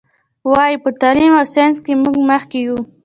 وایي: په تعلیم او ساینس کې موږ مخکې یو.